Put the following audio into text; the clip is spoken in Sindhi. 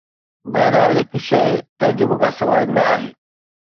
بهرحال، هڪ شيء تعجب کان سواء نه آهي.